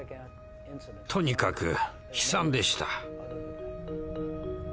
とにかく悲惨でした。